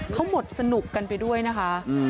เขาหมดสนุกกันไปด้วยนะคะ